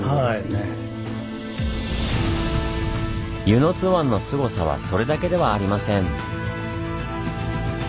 温泉津湾のスゴさはそれだけではありません！